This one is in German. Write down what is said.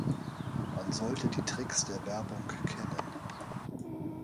Man sollte die Tricks der Werbung kennen.